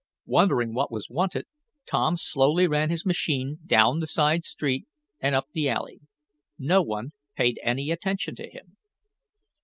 Wondering what was wanted, Tom slowly ran his machine down the side street, and up the alley. No one paid any attention to him.